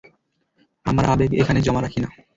আমার আবেগ এখানে জমা রাখি না।